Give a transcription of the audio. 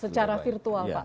secara virtual pak